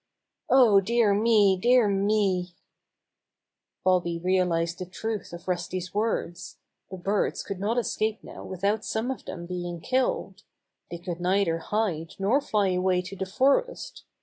Oh, dear me! Dear meT Bobby realized the truth of Rusty's words. The birds could not escape now without some of them being killed. They could neither hide nor fly away to the forest.